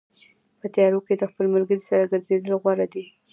په تیارو کې د خپل ملګري سره ګرځېدل غوره دي.